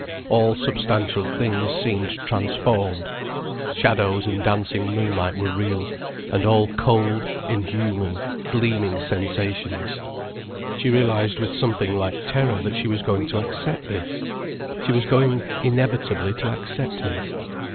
All substantial things seemed transformed. Shadows and dancing moonlight were real, and all cold, inhuman, gleaming sensations. She realized with something like terror that she was going to accept this. She was going inevitably to accept him.